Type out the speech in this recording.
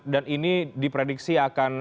dan ini diprediksi akan